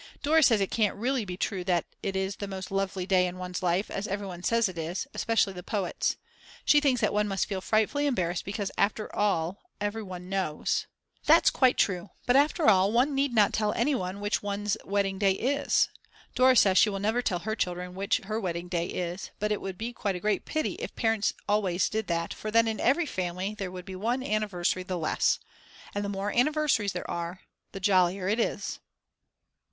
Dora says it can't really be true that it is the most lovely day in one's life, as everyone says it is, especially the poets. She thinks that one must feel frightfully embarrassed because after all everyone knows. ... That's quite true, but after all one need not tell anyone which one's wedding day is. Dora says she will never tell her children which her wedding day is. But it would be a great pity if parents always did that for then in every family there would be one anniversary the less. And the more anniversaries there are, the jollier it is.